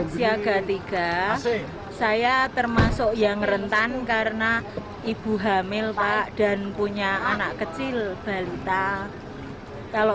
siaga tiga saya termasuk yang rentan karena ibu hamil pak dan punya anak kecil balita kalau